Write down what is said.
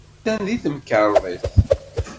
Atan deg temkarḍit.